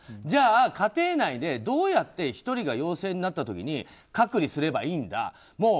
じゃあ、家庭内でどうやって１人が陽性になった時に隔離すればいいんだ。